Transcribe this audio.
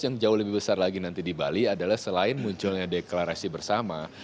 yang jauh lebih besar lagi nanti di bali adalah selain munculnya deklarasi bersama